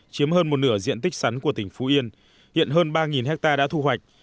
chiếm hơn một nửa diện tích sắn của tỉnh phú yên hiện hơn ba hectare đã thu hoạch